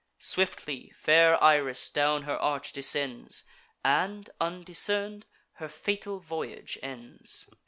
Swiftly fair Iris down her arch descends, And, undiscern'd, her fatal voyage ends.